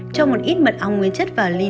cho một ít mật ong nguyên chất vào ly